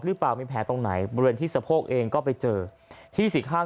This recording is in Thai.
หรือเปล่ามีแผลตรงไหนบริเวณที่สะโพกเองก็ไปเจอที่สี่ข้าง